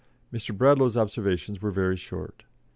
"Mr. Bradlaugh's observations were very short.